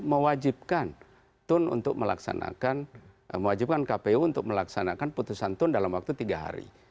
mewajibkan kpu untuk melaksanakan putusan tun dalam waktu tiga hari